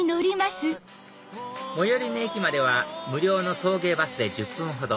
最寄りの駅までは無料の送迎バスで１０分ほど